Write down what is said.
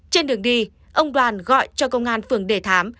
trên đường đi ông đoàn gọi cho công an phường đề thám